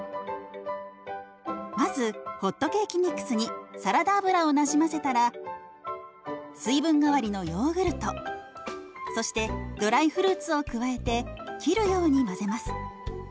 まずホットケーキミックスにサラダ油をなじませたら水分代わりのヨーグルトそしてドライフルーツを加えて切るように混ぜます。